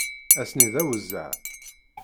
Ass-nni d awezzeɛ.